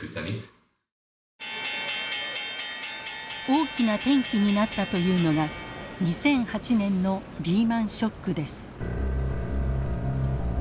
大きな転機になったというのが２００８年のリーマンショックです。